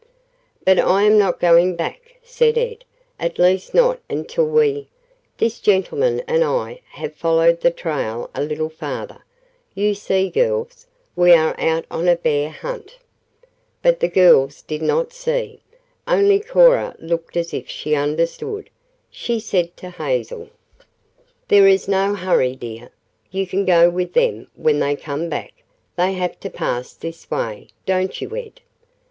"But I am not going back," said Ed; "at least not until we this gentleman and I have followed the trail a little farther. You see, girls, we are out on a 'bear hunt.'" But the girls did not see only Cora looked as if she understood. She said to Hazel: "There is no hurry, dear. You can go with them when they come back. They have to pass this way, don't you, Ed?"